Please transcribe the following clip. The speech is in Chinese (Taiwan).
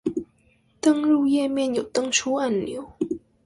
登入頁面有登出按鈕？！